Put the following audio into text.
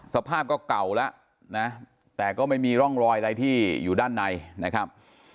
สภาพก็เก่าแล้วนะแต่ก็ไม่มีร่องรอยอะไรที่อยู่ด้านในนะครับ